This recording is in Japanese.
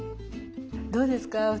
どうですか？